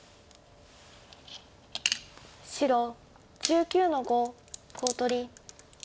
白１９の五コウ取り。